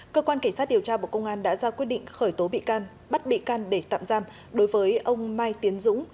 cơ quan cảnh sát điều tra bộ công an đã ra quyết định khởi tố bị can bắt bị can để tạm giam đối với ông mai tiến dũng